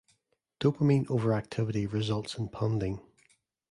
Dopamine overactivity results in punding.